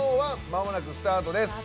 まもなくスタートです。